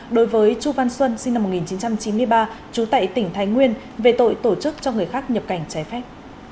đối với chu văn xuân sinh năm một nghìn chín trăm chín mươi ba trú tại tỉnh thái nguyên về tội tổ chức cho người khác nhập cảnh trái phép